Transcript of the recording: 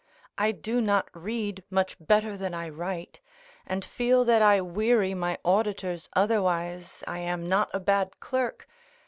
I do not read much better than I write, and feel that I weary my auditors otherwise (I am) not a bad clerk.